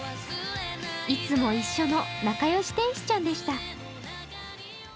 いつも一緒の仲良し天使ちゃんでした。